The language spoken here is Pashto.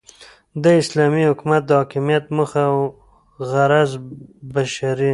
داسلامي حكومت دحاكميت موخه اوغرض بشري